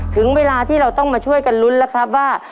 ถึงเวลาที่เราต้องมาช่วยกันลุ้นแล้วครับว่า